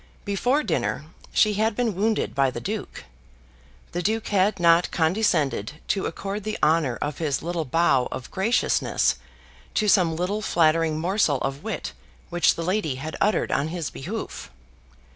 Before dinner she had been wounded by the Duke. The Duke had not condescended to accord the honour of his little bow of graciousness to some little flattering morsel of wit which the lady had uttered on his behoof.